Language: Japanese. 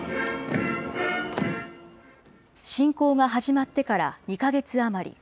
侵攻が始まってから２か月余り。